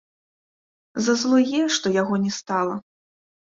Зазлуе, што яго не стала.